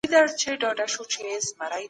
سرښندنه غواړي.